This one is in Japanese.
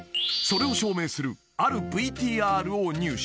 ［それを証明する］